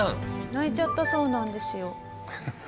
泣いちゃったそうなんですよ。